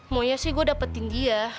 maunya sih gue dapetin dia